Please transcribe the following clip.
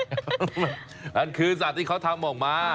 นั่นคือสารที่เค้าทำออกมา